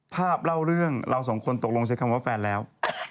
เล่าเรื่องเราสองคนตกลงใช้คำว่าแฟนแล้ว